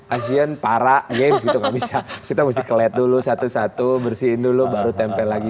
asian para game itu nggak bisa kita masih keled dulu satu satu bersihin dulu baru tempel lagi